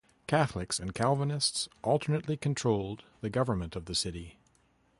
Catholics and Calvinists alternately controlled the government of the city.